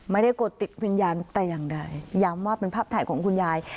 กดติดวิญญาณแต่อย่างใดย้ำว่าเป็นภาพถ่ายของคุณยาย